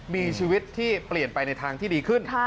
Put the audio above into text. มีชีวิตที่เปลี่ยนไปในทางที่ดีขึ้น